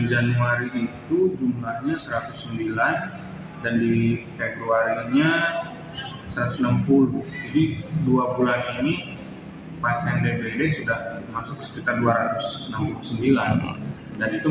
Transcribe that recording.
sejak awal tahun dua ribu dua puluh empat kasus dbd yang dirawat di rsud malingping terus mengalami peningkatan